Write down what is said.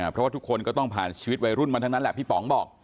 เพราะว่าทุกคนก็ต้องผ่านชีวิตวัยรุ่นมาทั้งนั้นแหละพี่ป๋องบอก